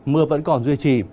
mưa vẫn còn duy trì